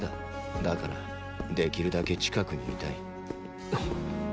だからできるだけ近くにいたい。！